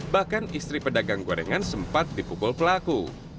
bahkan istri pedagang gorengan sempat dipukul pelaku